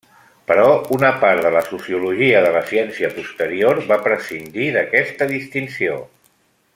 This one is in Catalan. Però una part de la sociologia de la ciència posterior va prescindir d'aquesta distinció.